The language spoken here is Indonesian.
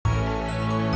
ya ajalkan dong angainya ya